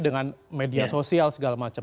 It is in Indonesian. dengan media sosial segala macam